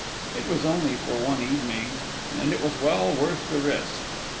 It was only for one evening, and it was well worth the risk.